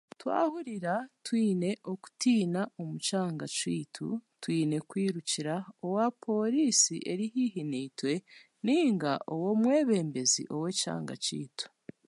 Twahurira twine okutiina omu kyanga kyaitu, twine kwirukira owa pooriisi eri haihi naitwe, nainga ow'omwebembezi ow'ekyanga kyaitu.